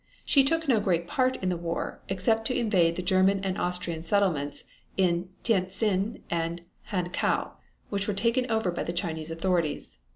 She took no great part in the war, except to invade the German and Austrian settlements in Tientsin and Hankow, which were taken over by the Chinese authorities.